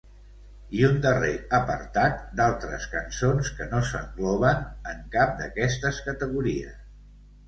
I un darrer apartat d’altres cançons que no s’engloben en cap d’aquestes categories.